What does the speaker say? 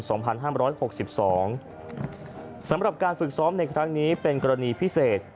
สำหรับการฝึกซ้อมในครั้งนี้เป็นกรณีพิเศษ